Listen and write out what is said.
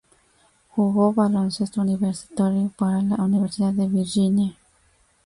Jugó baloncesto universitario para la Universidad de Virginia.